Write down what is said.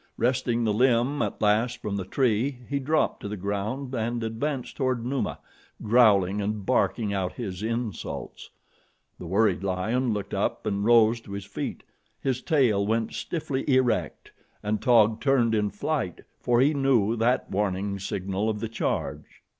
Wresting the limb at last from the tree he dropped to the ground and advanced toward Numa, growling and barking out his insults. The worried lion looked up and rose to his feet. His tail went stiffly erect and Taug turned in flight, for he knew that warming signal of the charge.